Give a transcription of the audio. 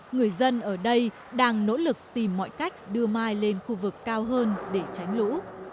người dân ở đây đang nỗ lực tìm mọi cách đưa mai lên khu vực cao hơn để tránh lũ